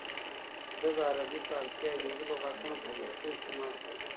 ده د عربي، فارسي او هندي لغاتونه په پښتو استعمال کړل